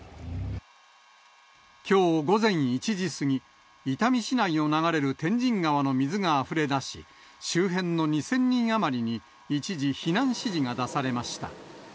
きょう午前１時過ぎ、伊丹市内を流れる天神川の水があふれ出し、周辺の２０００人余りに、一時避難指示が出されました。